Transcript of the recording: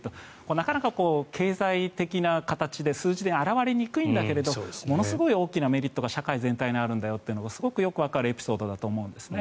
なかなか経済的な形で数字に表れにくいんだけどものすごい大きなメリットが社会全体にあるんだよというのがすごくよくわかるエピソードだと思うんですね。